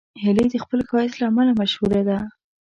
هیلۍ د خپل ښایست له امله مشهوره ده